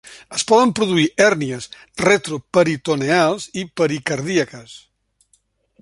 Es poden produir hèrnies retroperitoneals i pericardíaques.